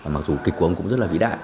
mặc dù kịch của ông cũng rất là vĩ đại